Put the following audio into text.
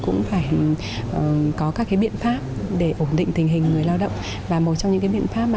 cũng phải có các cái biện pháp để ổn định tình hình người lao động và một trong những cái biện pháp mà